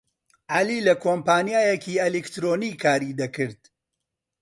عەلی لە کۆمپانیایەکی ئەلیکترۆنی کاری دەکرد.